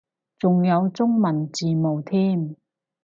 仲有中文字幕添